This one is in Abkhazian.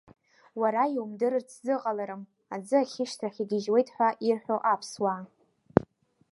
Уара иумдырырц зыҟаларым, аӡы ахьышьҭрахь игьежьуеит ҳәа ирҳәо аԥсуаа?